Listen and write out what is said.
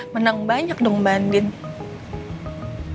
menang banyak dong mbak andini